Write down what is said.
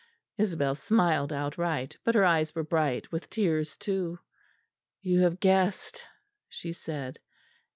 Isabel smiled outright; but her eyes were bright with tears too. "'You have guessed,' she said.